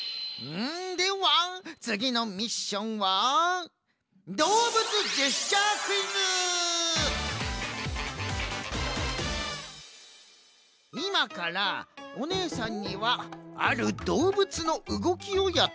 ではつぎのミッションはいまからおねえさんにはあるどうぶつのうごきをやってもらいます。